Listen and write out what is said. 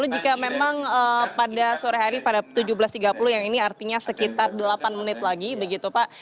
jika memang pada sore hari pada tujuh belas tiga puluh yang ini artinya sekitar delapan menit lagi begitu pak